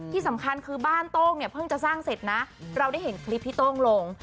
ที่สำคัญคือบ้านโต้งเนี่ยเพิ่งจะสร้างเสร็จนะเราได้เห็นคลิปพี่โต้งลง